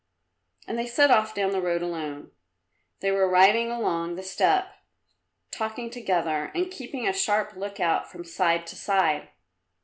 And they set off down the road alone. They were riding along the steppe talking together and keeping a sharp look out from side to side.